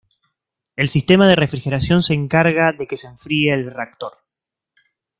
El sistema de refrigeración se encarga de que se enfríe el reactor.